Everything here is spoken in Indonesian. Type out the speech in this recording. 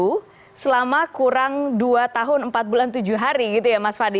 itu selama kurang dua tahun empat bulan tujuh hari gitu ya mas fadli